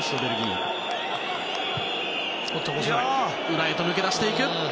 裏へと抜け出していく。